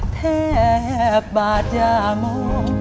แทบบาดหยามง